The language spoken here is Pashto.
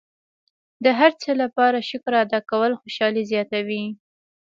د هر څه لپاره شکر ادا کول خوشحالي زیاتوي.